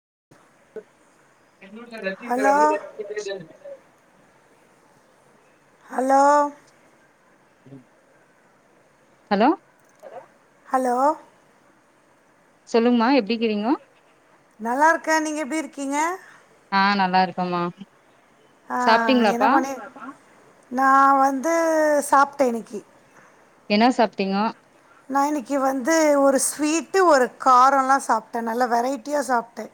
ச [inaudible] hello [unintelligible] hello hello hello சொல்லுங்கமா எப்டி கிறீங்கோ நல்லா இருக்கே நீங்க எப்டி இருக்கீங்க ஆஹ் நல்லா இருக்கும்மா ஆஹ் என்ன பண்ணி நான் வந்து சாப்பிட்டே இன்னைக்கி என்ன சாப்பிட்டீங்கோ நான் இன்னைக்கு வந்து ஒரு ஸ்வீட்டு ஒரு காரோலா சாப்டே நல்ல வெரைட்டியா சாப்டே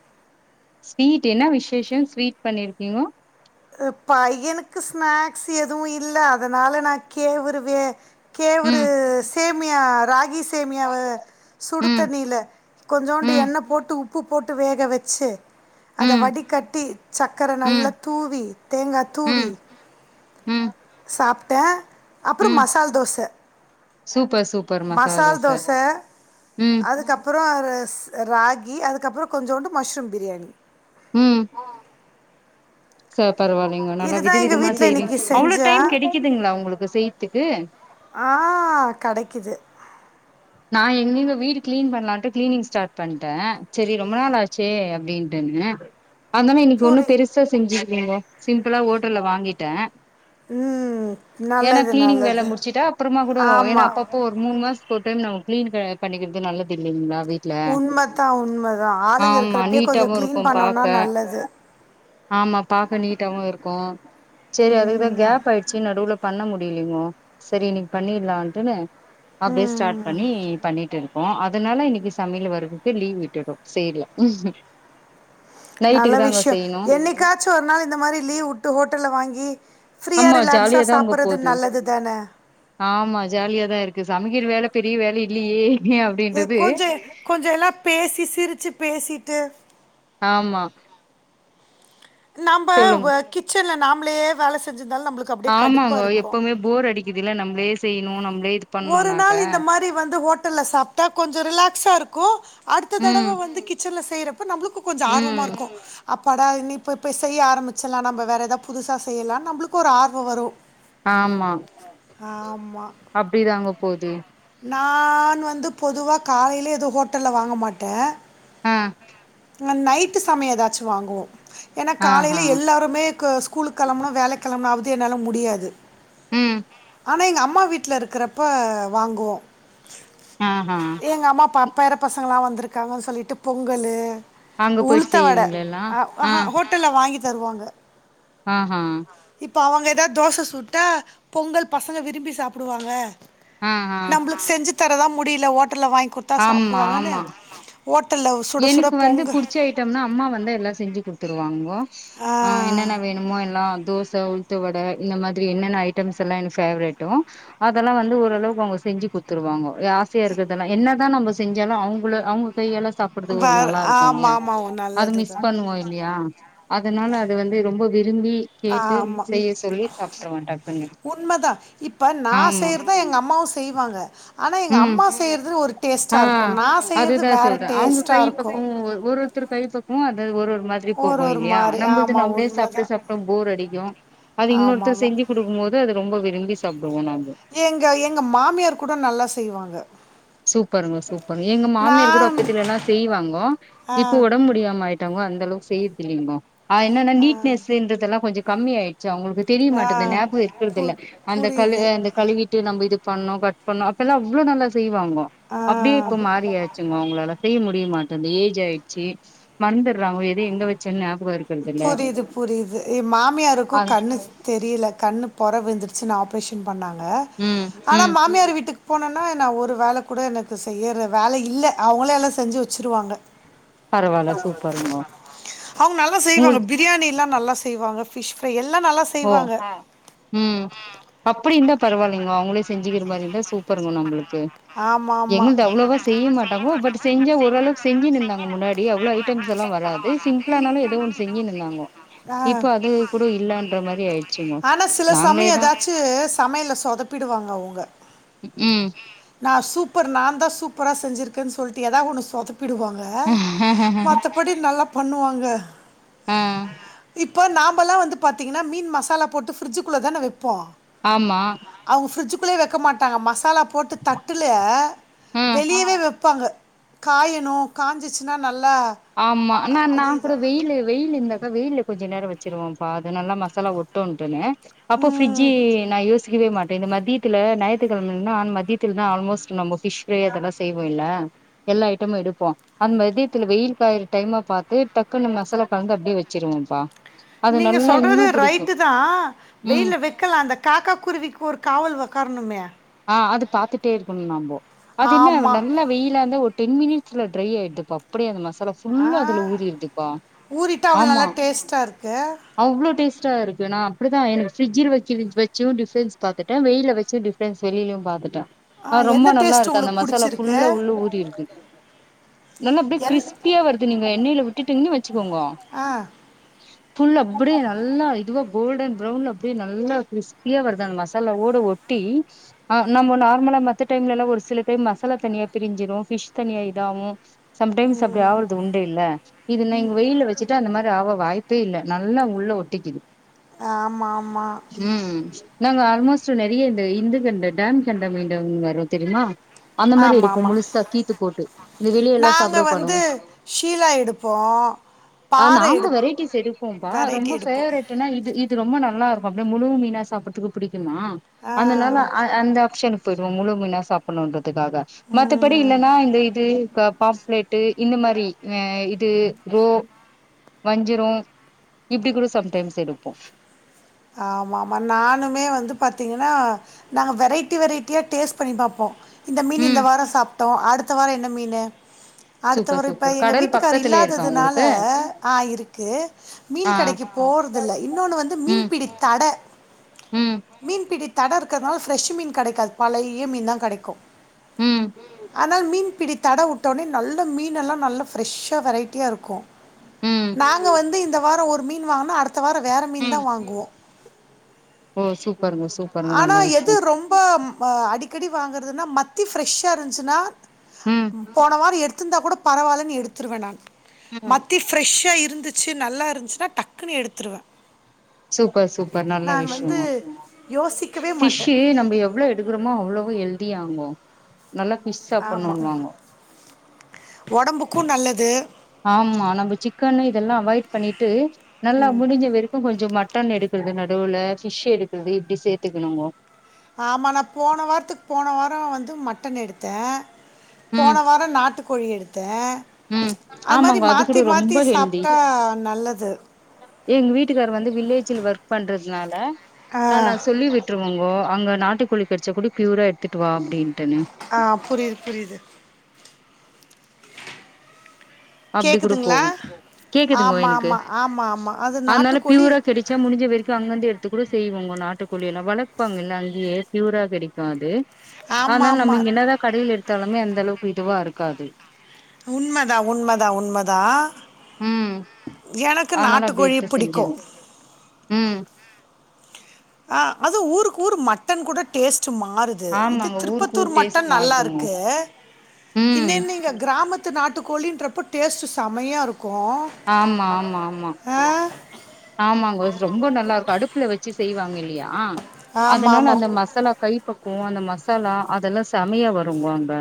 ஸ்வீட் என்ன விசேஷம் ஸ்வீட் பண்ணிருக்கீங்கோ உ பையனுக்கு ஸ்நாக்ஸ் எதுவும் இல்ல அதனால நான் கேவுருவே கேவுரு ம் சேப் ம்மியா ராகி சே சேமையாவ ம் சுடுத்தநீல கொஞ்சோண்டு ம் எண்ணெ போட்டு உப்பு உப்பு போட்டு வேக வச்சு அத ம் வடிகட்டி சக்கர ம் நல்லா து தூவி தேங்கா தூவி ம் ம் சாப்ட்டே அப்பறோ ம் மசால் தோச சூப்பர் சூப்பர் மசாலா மசால் தோச ம் அதுக்கப்பறோ ஒரு ராகி கி அதுக்கப்புறோ கொஞ்சோண்டு மஷ்ரூம் பிரியாணி ம் சோ பரவாயில்லைங்கோ நல்லா வித இதுதான் எங்கள் விதமா வீட்டில் செய்றீங்க இன்னைக்கு அவ்ளோ செஞ்ச டைம் கிடைக்குதுங்களா உங்களுக்கு செய்த்துக்கு ஆ கடைக்குது நான் எங்க [unintelligible] வீடு கிளீன் பண்ணலாம்ட்டு கிளீனிங் ஸ்டார்ட் பண்ணிட்டே சேரி ரொம்ப நாள் ஆச்சே அப்டின்ட்டுன்னு அந்த மாரி இன்னைக்கு ஒண்ணும் பூரி பெருசா செஞ்சுருக்கீங்க சிம்பிளா ஓட்டல்ல வாங்கிட்டே ம் ஏன்னா நல்லது கிளீனிங் வேல நல்லது முடிச்சுட்டா அப்பறமா கூடோ ஏன்னா ஆமா. அப்ப அப்போ ஒரு மூணு மாசத்துகு ஒரு டைம் நம்ம கிளீன் க பண்ணிக்கிறது நல்லது இல்லைங்களா வீட்ல உண்மதான் உண்மதான். ஆளுங்க ஆமா இருக்கிறப்பயே கொஞ்சம் நீட்டாவு கிளீன் இருக்கும் பண்ணோம்னா பாக்க நல்லது. ஆமா பாக்க நீட்டாவு இருக்கும் சேரி அதுக்கு தான் கேப் ஆயடுச்சு நடுவுல பண்ண முடிய அடியலைங்கோ சேரி இன்னிக்கு பண்ணிரலான்ட்டு அப்டியே ஸ்டார்ட் பண்ணி பண்ணிட்டு இரு ஆ அதனால இன்னைக்கு சமையல வரதுக்கு லீவ் விட்டுடோம் சேரல நல்ல விஷயம் என்னைக்காச்சும் ஒரு நாள் இந்த மாரி லீவ் விட்டு ஹோட்டல்ல வாங்கி ஃப்ரீயா ஆமா ரிலாக்ஸா ஜாலியா தாங்க சாப்பறது போது நல்லது தான ஆமா ஜாலியாதா இருக்கு சமைக்கிற வேல பெரிய வேல இல்லியே ஏ கொஞ்சோ கொஞ்சோ எல்லாம் பேசி சிரிச்சு பேசிட்டு ஆமா நம்ப வ கிச்சன்ல நாம உள்ளேயே வேல செஞ் ஆமாங்கோ எப்பவுமே போர் அடிக்குது இல்ல நம்ளே செய்யணும் நம் ஒரு நாள் இந்த மாதிரி வந்து ஹோட்டல்ல சாப்பிட்டா கொஞ்சம் ரிலாக்ஸா இருக்கும் கு அடுத்த ம் தடவை வந்து கிச்சன்ல ம்ம் ப்ப நம்மக்கும் கொஞ்சம் ஆர்வமா ம் இருக்கும் அப்படா இனி இப்ப இப்பய் செய்ய ஆரம்பிச்சலாம் நம்ம வேற ஏதாவது புதுசா செய்யலாம் நம்மளுக்கு ஒரு ஆர்வம் வரும் ஆமா அப் அப்படிதாங்க போது நான் வந்து பொதுவாக காலையில் எதோ ஹோட்டலில் வாங்க மாட்டேன் ஆ நைட்டு சமயம் ஏதாச்சும் வாங்குவோம் ஏன்னா ஆஹா காலையில் எல்லோருமே க்கு ஸ்கூலு கெளம்பனு வேலைக்கி கிளம்பணாவது என்னாலு முடியாது உம் ஆனா எங்க அம்மா வீட்ல இருக் இருக்குறப்ப வாங்குவோ ஆ ஹா எங்க அம்மா ப பேர பசங்கள்லா வந்துருக்காங்கன்னு சொல்லீட்டு பொங்கலு அங்க போயிட்டு உளுத்த வட செய்வீங்களா எல்லா ஹோட்டல்ல வாங்கி தருவாங்க ஆ ஹா இப்போ அவங்க எதாது தோச சுட்டா பொங்கல் பசங்க விரும்பி சாப்புடுவாங்க ஆ ஆ நம்பளுக்கு செஞ்சுட் தர தா முடியல ஓட் ட்டல்ல வாங்கி குடுத்தா சாப்டு ஆமா வாங்கன்னு ஆமா எனக்கு வந்து புடுச்ச ஐட்டம்னா அம்மா வந்து எல்லா செஞ்சு குடுத்துருவாங்கோ ஆ என்னென்ன வேணுமோ எல்லா தோஸ் ச உள்ந்த வட இந்த மாதிரி என்னென்ன ஐட்டம்ஸ் எல்லா எனக்கு ஃபேவரட்டும் அதெல்லா வந்து ஓரளவுக்கு அவுங்க செஞ்சு குடுத்துருவாங்க ஆசையா இருக்குறதெல்லா என்னதா நம்ம சுத் செஞ்சாலு அவுங்கள அவுங்க கையால்ல சாப்ட்றது ஒரு வர- நல்லா இருக்கு ஆமா இல்லையா ஆமா அது நல்லது மிஸ் தான் பண்ணுவோ இல்லையா அதனால அது வந்து ரொம்ப வீ ஆம்மா சாப்ட்ருவோ டக்குன்னு உண்மைதா இப்ப நா ஆமா செய்றது எங்க அம்மாவு செய்வாங்க ஆனா எங்க ம் அம்மா செய்றது ஒரு டேஸ்டா இருக்கும் நா செய்றது வேற அவுங்க கை பக்குவோ ஒரு ஒருத்தர் கை பக்குவோ அது தர் ஒரு ஒரு மாதிரி ஒரு போகு ஒரு இல்லையா மாரி நம்மள்து ஆமா நம்மே உண்மதா சாப்ட்டு சாப்ட்டோம் ஃபோர் அடிக்கு அது ஆமா இன்னொருத்தர் ஆமா செஞ்சு குடுக்கு போது அது ரொம்ப வித் விரும்பி சாப் எங்க எங்க மாமியார் கூட நல்லா செய்வாங்க சூப்பருங்க சூப்பர் எங்க மாமியார் கூட நான் அப்பத்திலல்லா செய்வாங்கோ ஆ இப்போ ஒடம்ப் முடியாம ஆயிட் [unintelligible] அந்த அளவுக்கு செய்றதில்லிங்கோ ஆ என்னனா நீ்ட்னஸ்ன்றதெல்லா கொஞ்சோ கம்மி ஆயி ச்சு அவுங்களுக்கு தெரிய ஆ மாட்டேது நாபகோ இருக்குறது பு இல்ல அந்த கழு புரியுது அந்த கழுவிட்டு நம்ப இது பண்ணு கட் பண்ணு அப்பல்லா அவ்ளோ நல்ல செய் வாங்கோ ஆ அப்டியே இப்ப மாறியாச்சுங்கோ அவுங்களால செய்ய முடி தெரியமாட்டது ஏஜ் ஆயிட்ச்சி மந்தர்றாங்கொ எத எங்க வெச்சன் ஞா புரிது புரிது எ மாமியாருக்கு ஆ, கண்ணு தெரியில கண்ணு பொற விழுந்து ச்சின் ஆப்ரேஷன் பண்ணாங்க ம் ஆனா ம் மாமியார் வீட்டுக் போனன்னா நா ஒரு வேல கூட எனக்கு செய்யற வேல இல்ல அவுங்களே எல்லா செஞ்சு வெச்சிருவாங்க பரவால்ல சூப்பருங்க அவங்க நல்லா செய்வாங்க பிரியாணி எல்லா நல்லா செய்வா வாங்க ஃபிஷ் ஃப்ரை எல் ஓ ம் அப்பிடி இந்த பரவால்லைங்கோ அவுங்களே செஞ்சுகிற மாரிந்தா சூப்பருங்கோ நம்புளுக் கு ஆமா ஆமா எங்குள்து அவ்ளோவா செய்ய மாட்டாங்கோ பட் செஞ்சா ஒரளவுக் செஞ்சுனுந்தாங்கோ முன்னாடி அவ்ளோ ஐட்டம்ஸ் எல்லா வராது சிம்ப்ளானாலு எதோ ஒன் செஞ்சுனுந்தாங்கோ ஆ இப்ப அது கூட இல்லன் ஆனா சில சமய எதாச்சு சமையல்ல சொதப்பிடுவாங்க அவுங்க ம் நா சூப்பர் நாந்தா சூப்பரா செஞ்சிருக்கேன் சொல்ட்டு எதா ஒன்னு சொதப் பிடுவாங்க மத்தப்படி நல்லா பண்ணுவா ங்க ம் இப்ப நாம்பல்லா வந்து பாத்தீங்கனா மீன் மசாலா போட்டு ஃபிரிட்ஜுக்குள்ள தான வெப் போ ஆமா அவுங்க ஃபிரிட்ஜ் குள்யே வெக்க மாட்டாங்க மசாலா தட்டுலயே ஆ வெளியவே வெப் ப்பாங்க காயணு காஞ்சிசினா நல் ஆமா நா நா கூட வெயிலு வெயிலு இந்தாக்கா வெயில்ல கொஞ்ச நேரோ வெச்சிருவம்ப்பா அது நல்லா மசாலா ஒட்டுன்டுனு அப்போ ம் ஃபிரிஜ்ஜி நா யோசிக்கவே மா டு இந்த மத்தியத்தில ஞாயித்துக்கெழமன்னா ஆன் மத்தியத்தில்தா ஆல்மோஸ்ட்டு நம்போ ஃபிஸ்ஃபிரையே அப்பதா செய்வோ இல்ல எல்லா அயிட்டமு எடுப்போ அந் மத்தியத்தில வெயில் காய்ற டைமா பாத்து டக்குனு மசாலா கலந்து அப்டே வெச்சிருவம்ப்பா நீங்க சொல்றது ரைட்டுதா ம் வெயில்ல வெக்கலா அந்த காக்கா குருவிக்கு ஒரு காவல் ஒக்காரணுமே ஆஹ் அது பாத்துட்டே இருக்கணு நாம்போ அது என்ன ஆமா நல்ல வெயிலாந்தா ஒரு டென் மினிட்ஸ்ல ட்ரை ஆயிடுதுப்பா அப்பிடியே அந்த ம சாலா ஆ ஃபுல்லா அதுல ஊறிடுதுப்பா ஊறிட்டா அவ்வளோ ஆமா நல்லா டேஸ்டா இருக்கு அவ்ளோ டேஸ்டா இருக்கு நா அப்டிதா எனக்கு ஃப்ரிஜ்ல வெக்கி வெஜ் வெச்சு டிஃப்ரண்ஸ் பாத்துட்டே வெயில்ல வெச்சு டிஃப் ரண்ஸ் வெயிலியு பாத்துட்டே ஆ ஆஹ் ரொம்ப எந்த நல்லா டேஸ்ட் இருக்கு அந்த உங்களுக்கு மசாலா பிடிச்சிருக்கு ஃபுல்லா உள்ள ஊறிடுது நல்லா அப்டே என் கிறிஸ்பியா வருது நீங்க எண்ணெயில விட்டுடிங்னு வெச்சுக்கோங்கோ ஆ ஃபுல் அப்பிடே நல்லா இதுவா கோல்டன் பிரவுன்ல அப்டே நல்லா கிரிஸ்பியா வருதா அந்த மசாலாவோட ஒட்டி ஆ நம்ம நார்மலா மத்த டைம்ல எல்லா ஒரு சில டைம் மசாலா தனியா பிரிஞ்சிரோ ஃபிஷ் தனியா இதாவு சம்டைம்ஸ் அப்டி ஆவறது உண்டு இல்ல இது நைங் வெயில்ல வச்சுட்டா அந்த மாரி ஆவ வா டு இல்ல நல்லா உள்ள ஒட்டிக்குது ஆமா ஆமா ம் நாங்க ஆல்மோஸ்ட் நெறைய இந்த இந்த [unintelligible] வரோ தெரியுமா அந்த மாரி ஆமா இருக்கோ ஆமா முழுசா கீத்து போட்டு இந்த வெளியெல்லா நாங்க சாப்பட வெப்பாங்க வந்து அவுங்க ஷீலா எடுப்போம் பாறை நாங் கூட எடுப்போம் வரைட்டிஸ் எடுப்போம்பா வெரைட்டி ரொம்ப எடுப்போம் ஃபேவரட்டுன்னா இது இது ரொம்ப ந நல்லா இருக்கோ அப்டே முழு மீனா சாப்பிர்துக்கு புடி கிமா ஆ அந்தனால இந்த ஆப்ஷன்க்கு போயிடுவோ முழு மீனா சாப்புணோன்றது துக்காக மத்தபடி ம் இல்லன்னா இந்த இது கா பாஸ்ளேட்டு இந்த மாரி ஆ இது ப்ரோ வஞ்சிரோ இப்டி கூட சம்டைம்ஸ் எடுப்போ ஆமா ஆமா நானுமே வந்து பாத்தீங்கன்னா நாங்க வெரைட்டி வெரைட்டியா டேஸ்ட் பண்ணின் பாப்போ இந்த மீன் இந்த ம் வாரோ சாப்ட்டோ அடுத் த்தவாரம் என்ன மீன்னு அடுத்த சூப்பர் வரு இப்ப சூப்பர் எங்க கடல் வீட்டுக்கார் பக்கத்துலயே இருக்கா இல்லாததுனால உங்களுக்கு ஆ இருக்கு மீன் ஆ கடைக்கு போறதில்ல இன்னொன்னு வந்து மீன் ம் தட ம் மீன் பிடி தட இருக்கற்னால ஃப்ரெஷ் மீன் கெடைக்காது பழைய மீன்தா கெடைக்கோ ம் உம் ஆனால் மீன் பிடி தட உட்டோனே நல்லா மீன் எல்லா நல்லா ஃப்ரெஷ்சா வெரைட்டியா இருக்கோ ம் நாங்க வந்து இந்த வார ஒரு மீன் வாங்னா அடு த வார வேற மீன்தா ம். வாங்குவோ ஓ சூப்பருங்க சூப்பருங்க ஆனா நல்ல எது விஷ்யோ ரொம்ப ம் மா அடி கிடி வாங்கறதுனா மத்தி ஃப்ரெஷ்சா இருந்துச்சுனா ம் போன வாரோ எ திந்தா கூட பரவாலன்னு எடுத்துருவே நானு ம். மத்தி ஃப்ரெஷ்சா இ இருந்துச்சு நல்லா இருந்துச்சுனா டக்குனு எடுத்துருவே சூப்பர் சூப்பர் நல்ல விஷ்யோ யோசிக்கவே மாட்டேன் ஃபிஷ்சு நம்ப எவ்ளோ எடுக்குறோமோ அவ்ளோவு ஹெல்த்தியாங்கோ நல்லா ஃபிஷ் சாப்புணோன்வாங்கோ ஒடம்புக்கு நல்லது ஆமா நம்ப சிக்கன்னு இதெல்லா அவாய்ட் பண்ணிட்டு நல்லா முடிஞ்ச வரைக்கு கொஞ்ச மட் மட்டன் எடுக்குறது நடுவுல ஃபிஷ் எடுக்குறது இப்டி சேத்துக்கணுங்க ஆமா நா போன வாரத்துக்கு போன வாரோ வந்து மட்டன் எடுத்தேன் ம் போன வாரம் நாட்டுக் கோழி எடுத்தே ம் ஆமாங்க அது கூட ரொம்ப ஹெல்தி சாப்பிட்டா நல்லது எங்க வீட்டுக்கார் வந்து வில்லேஜ்ல ஒர்க் பண்றதுனால ஆ நா சொல்லி விட்டுருவங்கோ அங்க நாட்டுக்கோழி கெடச்சா கூட பியூரா எடுத்துட்டு வா அப்டின்ட்டுன்னு ஆ புரியுது புரியுது அப்டி கூட கேக்குதுங்களா போகும் கேக்குதுங்கோ ஆமா எனக்கு ஆமா ஆமா ஆமா அது அதனால நாட்டுக்கோழி பியூரா கிடைச்சா முடிஞ்ச வரைக்கும் அங்கந்து எடுத்து கூட செய்வோங்க நாட்டுக் கோழி எல்லா வளர்ப்பாங்கல்ல அங்கேயே பியூரா கிடைக்கு அது ஆமா அதனால ஆமா நம்ம இங்க என்னதா கடையில எடு பாத்தாலுமே அந்தளவுக்கு இதுவா இருக்காது உண்மதா உண்மதா உண்மதா ம் எனக்கு அதனால அப்டி நாட்டுக்கோழி எடுத்து புடிக்கும் செஞ்சிருவோ ம் அ அது ஊருக்கு ஊரு மட்டன் கூட டேஸ்ட் மாறுது இது ஆமாங்க ஊருக்கு திருப்பத்தூர் ஊர் டேஸ்ட் மட்டன் மாறுதுங்க நல்லாருக்கு ம் இன்னன்னங்க கிராமத் நாட்டுக்கோழின்றப்ப டேஸ்ட் செமையா இருக்கு க்கோ அஹ் ஆமாங்கோ ரொம்ப நல்லா இருக்கு அடுப்புல வெச்சு செய்வாங்க இல்லையா ஆமா அதனால ஆமா அந்த மசாலா கைப்பக்கு அந்த மசாலா அதெல்லா செமையா வரும்னுவாங்க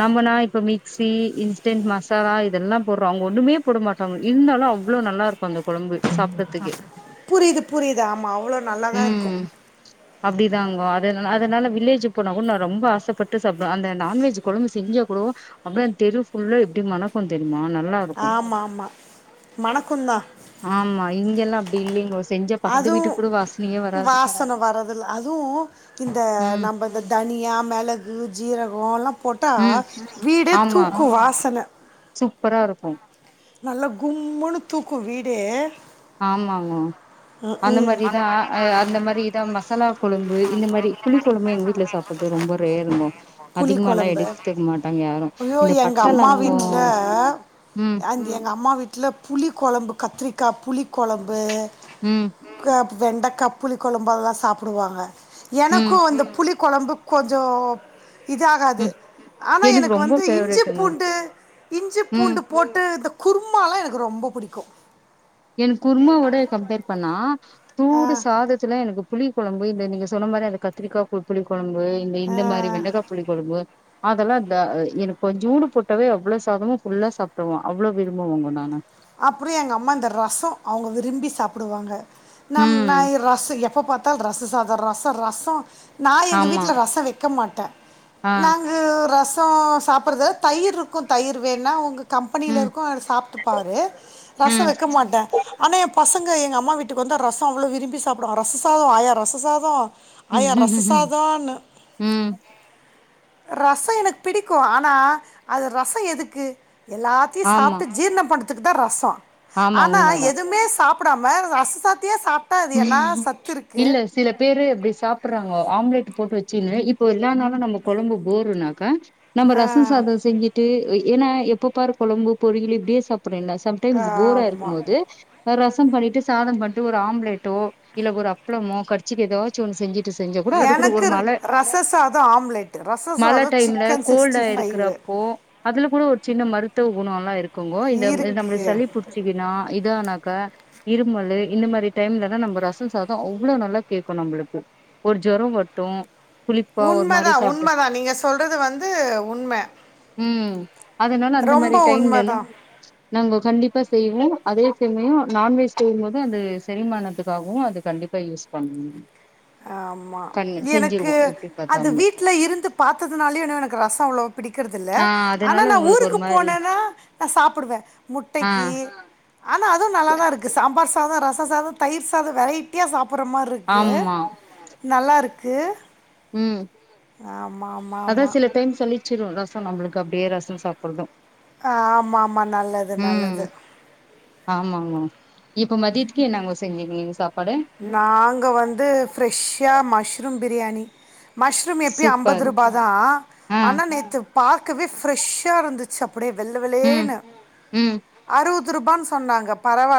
நம்மனா இப்ப மிக்சி இன்ஸ்டன்ட் மசாலா இதெல்லா போடுறோ அவங்க ஒண்ணுமே போட மாட்டாங்க இருந்தாலு அவ்ளோ நல்லா இருக்கும் அந்த கொழம்பு க்கு புரியுது புரியுது ஆமா அவ்ளோ நல்லாதா இருக்கு உம் அப்படிதாங்க அத அதனால மிக் வில்லேஜ் போனா கூட நான் ரொம்ப ஆசப்பட்டு சாப்பிடுவேன் அந்த நான்வெஜ் கொழு செஞ்ச கூட அப்ப அ தெரு தெரு ஃபுல்லா எப்படி மனக்கு தெரியும் ஆமா ஆமா மணக்குந்தான் இங்கெல்லாம் அப்படி இல்லைங்கொ அதுவும் வாசன வரதுல அதுவும் இந்த ம் நம்ம இந்த தனியா மெளகு ஜீரக கோ லா போட்டா ம். வீடே ஆமா தூக்கும் வாசன சூப்பரா இருக்கும் நல்லா கும்முன்னு தூக்கும் வீடே ஆமாங்கோ ம் அந்த ம் மாதிரிதான் அஹ் அந்த மாதிரி இதான் மசாலா கொழம்பு இந்த மாரி புளி குழம்பு எங்க வீட்டுல சாப்பறது ரொம்ப ரேருங்க புளி கொழம்பு ஐயோ இந்த எங்க பட்ட அம்மா லவங்கோ வீட்ல ம் அங் எங்க அம்மா வீட் ல புளி கொழம்பு கத்திரிக்கா புளி கொழம்பு உம் க வெண்டக்கா புளி கொழம்பு அதெல்லா சாப்பிடுவாங்க எனக்கு ம் அந்த புளி கொழம்பு கொஞ்சோ இது ஆகாது ம் ஆனா எனக்கு ரொம்ப வந்து இஞ்சி ஃபேவரெட்டுங்க பூண்டு இஞ்சி ம் பூண்டு போட்டு இந்த குருமாலா எனக்கு ரொம்ப பிடிக்கு என் குர்மாவிட இது கம்பேர் பண்ணா ஆ தூடு சாதத்துல எனக்கு புளி கொழம்பு இந்த நீங்க சொன்ன மாரி அது கத்திரிக்கா பு புளி கொழம் பு இந்த இந்த மாரி ஆ வெண்டக்கா புளி கொழம்பு அதெல்லா தா எனக்கு கொஞ்சூன்டு போட்டவே அவ்வள சாதமு ஃபுல்லா சாப்பிடுவ அவ்வளோ விரும்புவொங்க நானு அப்புறொ எங்க அம்மா இந்த ரசொ அவங்க விரும்பி சாப்டுவாங்க நம் நா ம் இ ரச எப்ப பாத்தால் ரச சா ர் ரச ரச நா எங்க ஆமா வீட்ல ரச வைக்க மாட் ஆ நாங்கு ரச் த சாப்பிட்றது தயிர் இருக்கு தயிர் வேனா அவங்க கம்பெனியில ம் இருக்கு அவர் சாப்ட்டுப்பாரு ரச ம் வைக்க மாட்டே ஆனா எ பச் சங்க எங்க அம்மா வீட்டுக்கு வந்தா ரச அவ்ளோ விரும்பி சாப்பிடுவா ரச சாதொ ஆயா ரச சாதொ ம் ஆயா ரச சாதொனு ரச எனக்கு பிடிக்கூ ஆனா அது ரச எதுக்கு எல்லாத்தையு ஆமா சாப்ட்டு ஜீரண பண் றதுக்கு தா ரச ஆமா ஆனா உண்மதான் எதுவுமே சாப் ப்புடாம ரச சாத் இல்ல சில பேரு அப்டி சாப்புடுறாங்க ஆம்லெட் போட்டு வச்சினு இப்போ எல்லா நாளு நம்ம கொழம்பு போறுன்னாக்கா நம்ம ரசொ சாதொ செஞ்சுட்டு வ என்னா எப்ப பாரு கொழம்பு பொறியளு இப்டியே சாப் டேனா சம்டைம்ஸ் போரா இருக்கும் ஆமாம் போது ஒரு ரசம் பண்ணிட்டு சாதம் பண்ணிட்டு ஒரு ஆம்லெட் இல்ல ஒரு அப்புளமோ கச்சிக்கு ஏதாச்ச ஓ செஞ்சுட் செஞ்ச கூட அது கூட ஒரு எனக்கு மழ ரச சாதம் ஆம்லெட் ரச மழ சாதம் டைம்ல சிக்கன் கோல்டா சிக்ஸ்டி ஃபைவ் இருக்கிறப்போ அதுல கூட ஒரு சின்ன மருத்துவ குணம் எல்லாம் இருக்குங்க இந்த நம்ம இருக்கு சளி புடிச்சிக்கன்னா இதனாக்கா இருமல் இந்த மாரி டைம்ல நம்ம ரசம் சாதம் அவ்வளவு நல்லா கேட்கும் நம்பளுக்கு ஒரு ஜரம் வட்டும் உண்மதான் உண்மதான் நீங்க சொல்றது வந்து உண்ம ம் அதனால அந்த மாரி ரொம்ப டைம்லலா உண்மதான் நாங்க கண்டிப்பா செய்வோ அதே சமயம் நான்வெஜ் செய்யும்போது அந்த செரிமானத்து வும் அது கண்டிப்பா யூஸ் பண்ணு ஆமா எனக்கு எப்டி அது பாத்தாலுமே வீட்ல இருந்து பாார்த்ததுனாலயும் இ எனக்கு ரசம் அவ்ளவு பிடிக்கறிறது இல்லல ஆ ஆனா அதனால நான் உங்களுக்கு ஒரு ஊருக்கு மாரி போனேன்னா நான சாப்பிடுவே ஆ முட்டைக்கு ஆனா அதுவு நல்லாாதான் இருக்கு சாம்பார் ரச சாத தயிர் சாத வெரைட்டியா சாப் அப்புற்ரமரி இருக்கு ஆமா நல்லா இருக்கு ம் அதா ஆமாம் சில டைம் [unintelligible] சோ நம்மளுக்கு அப்டியே ரசம் சாப்பிடடுறதும் ஆ ஆமா ஆமா நல்லது நல்லது ம் என் நாங்க செஞ்சங்க நீங்கா நாங்க வந்து ஃப்ரெஷ்ஷா மஷ்ரூம் பிரியாணி மஷ்ரூம் எப்பயு ஐம்பது சூப்பர் ரூபா தான் ஆ ஆனா நேற்று பாக்கவே ஃப்ரெஷ்ஷா இருந்துச்சு அ வெள்ள ம் வெள்ளேணு ம் அரு ரூபான்னு சொன்னாங்க பரவால